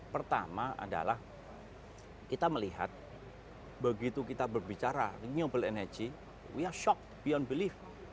pertama adalah kita melihat begitu kita berbicara renewable energy we are shocked beyond belief